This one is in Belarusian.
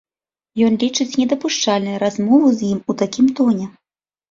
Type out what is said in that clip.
Ён лічыць недапушчальнай размову з ім у такім тоне.